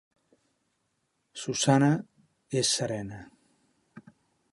Susana és serena